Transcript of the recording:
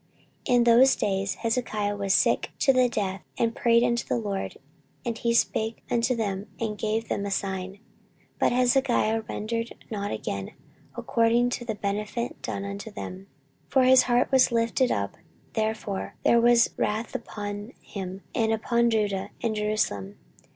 14:032:024 In those days Hezekiah was sick to the death, and prayed unto the LORD: and he spake unto him, and he gave him a sign. 14:032:025 But Hezekiah rendered not again according to the benefit done unto him; for his heart was lifted up: therefore there was wrath upon him, and upon Judah and Jerusalem.